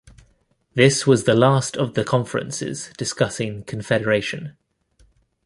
This was the last of the conferences discussing Confederation.